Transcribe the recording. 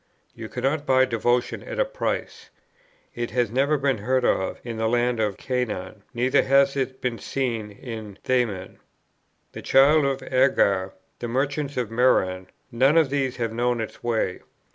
You cannot buy devotion at a price. "It hath never been heard of in the land of Chanaan, neither hath it been seen in Theman. The children of Agar, the merchants of Meran, none of these have known its way."